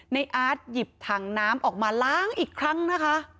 อาร์ตหยิบถังน้ำออกมาล้างอีกครั้งนะคะ